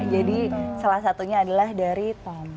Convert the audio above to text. jadi salah satunya adalah dari tomat